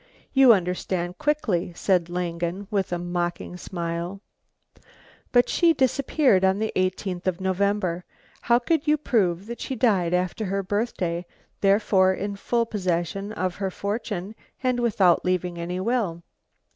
"You understand quickly," said Langen with a mocking smile. "But she disappeared on the eighteenth of November. How could you prove that she died after her birthday, therefore in full possession of her fortune and without leaving any will?"